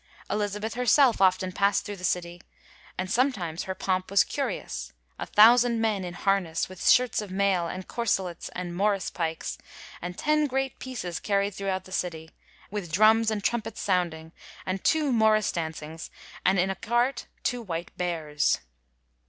Elizabeth herself often past thru the city, and sometimes her pomp was curious, ' a thousand men in harness with shirts of mail and corselets and morice pikes, and ten g^^eat pieces carried through the city, with drums and trumpets sounding, and two morrice dancings and in a cart two white bears.'